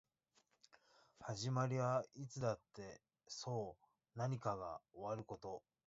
始まりはいつだってそう何かが終わること